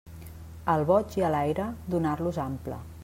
Al boig i a l'aire, donar-los ample.